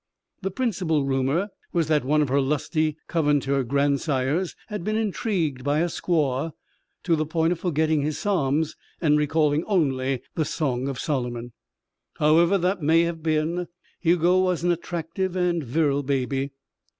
The principal rumour was that one of her lusty Covenanter grandsires had been intrigued by a squaw to the point of forgetting his Psalms and recalling only the Song of Solomon. However that may have been, Hugo was an attractive and virile baby.